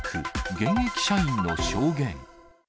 現役社員の証言。